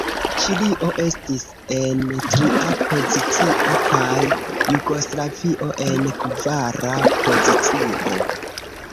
Ĉilio estis en tria pozicio, kaj Jugoslavio en kvara pozicio.